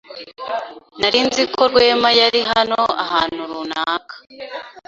Nari nzi ko Rwema yari hano ahantu runaka.